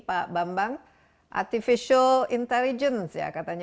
pak bambang artificial intelligence ya katanya